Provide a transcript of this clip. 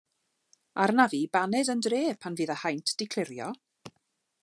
Arnaf i baned yn dre pan fydd yr haint 'di clirio!